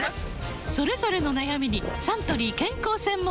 それぞれの悩みにサントリー健康専門茶